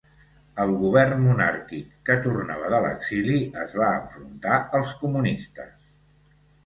El govern monàrquic que tornava de l'exili es va enfrontar als comunistes.